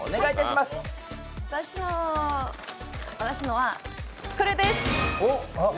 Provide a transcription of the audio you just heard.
私のはこれです！